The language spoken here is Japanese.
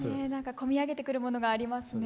込み上げてくるものがありますね。